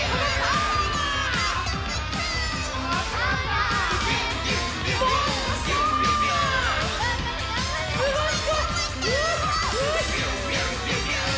すごいぞ！